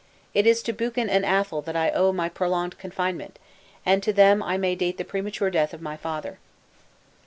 It is to Buchan and Athol that I owe my prolonged confinement, and to them I may date the premature death of my father."